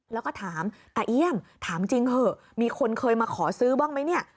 แล้วก็ถามตาเอี่ยมถามจริงเถอะมีคนเคยมาขอซื้อบ้างไหมเนี่ย